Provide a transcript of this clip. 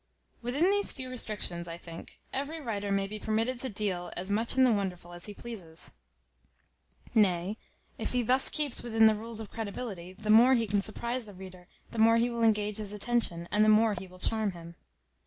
Within these few restrictions, I think, every writer may be permitted to deal as much in the wonderful as he pleases; nay, if he thus keeps within the rules of credibility, the more he can surprize the reader the more he will engage his attention, and the more he will charm him.